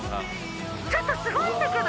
ちょっとすごいんだけど。